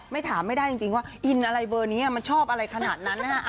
ถามไม่ได้จริงว่าอินอะไรเบอร์นี้มันชอบอะไรขนาดนั้นนะฮะ